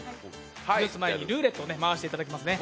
崩す前にルーレットを回していただきますね。